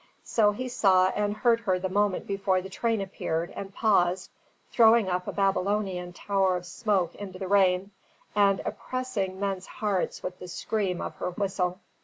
So he saw and heard her the moment before the train appeared and paused, throwing up a Babylonian tower of smoke into the rain, and oppressing men's hearts with the scream of her whistle.